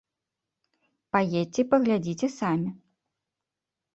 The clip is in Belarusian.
Паедзьце і паглядзіце самі.